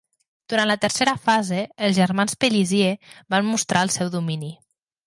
Durant la tercera fase, els germans Pélissier van mostrar el seu domini.